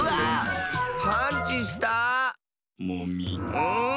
うん！